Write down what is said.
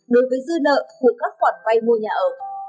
đối với dư nợ của các quản quay mua nhà ở